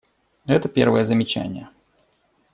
Это первое замечание.